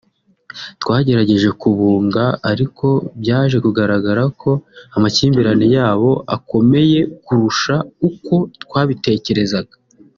twagerageje kubunga ariko byaje kugaragara ko amakimbirane yabo akomeye kurusha uko twabitekerezaga